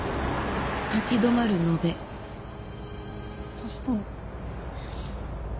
どうしたの？